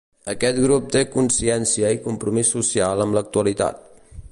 Aquest grup també té consciència i compromís social amb l'actualitat.